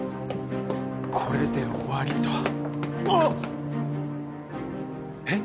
これで終わりとうわっ！